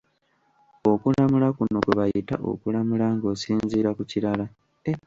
Okulamula kuno kwe bayita okulamula ng'osinziira ku kirala.